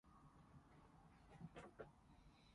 我見佢年紀咁大